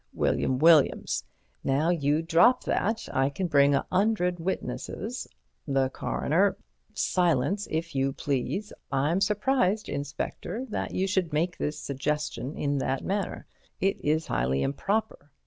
William Williams: Now, you drop that. I can bring a 'undred witnesses— The Coroner: Silence, if you please. I am surprised, Inspector, that you should make this suggestion in that manner. It is highly improper.